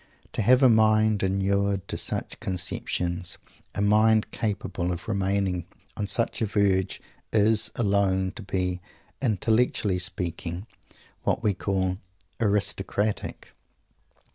To have a mind inured to such conceptions, a mind capable of remaining on such a verge, is, alone, to be, intellectually speaking, what we call "aristocratic."